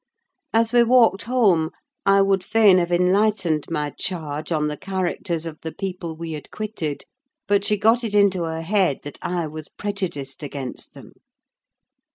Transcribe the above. As we walked home, I would fain have enlightened my charge on the characters of the people we had quitted: but she got it into her head that I was prejudiced against them.